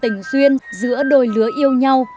tình duyên giữa đôi lứa yêu nhau